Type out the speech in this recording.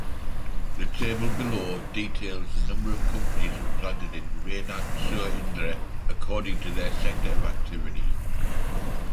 The table below details the number of companies implanted in Reignac-sur-Indre according to their sector of activity.